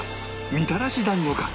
みたらし団子か？